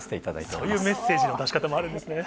そういうメッセージの出し方もあるんですね。